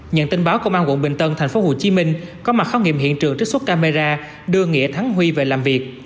nhận tin báo công an quận bình tân tp hcm có mặt khám nghiệm hiện trường trích xuất camera đưa nghĩa thắng huy về làm việc